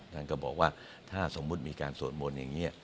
ท่านก็บอกว่าถ้าสมมุติมีการสวดมนต์อย่างนี้